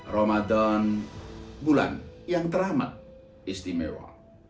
ramadan bulan yang teramat istimewa